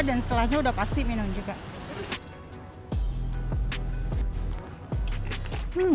dan setelahnya udah pasti minum juga